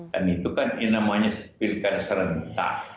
dan itu kan namanya pilihan serentak